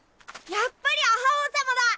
やっぱり阿覇王様だ。